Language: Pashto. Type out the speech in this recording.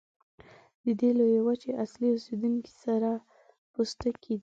د دې لویې وچې اصلي اوسیدونکي سره پوستکي دي.